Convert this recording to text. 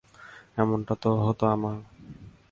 এমনটা হতো আমাদের।